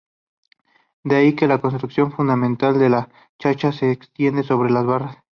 De ahí que la construcción fundamental del cha-cha se extiende sobre dos barras.